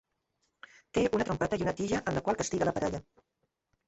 Té una trompeta i una tija amb la qual castiga la parella.